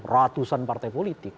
ratusan partai politik